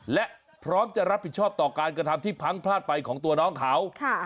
และพร้อมจะรับผิดชอบต่อการกระทำที่พังพลาดไปของตัวน้องเขา